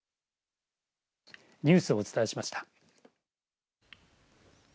ニュースをお伝えしました。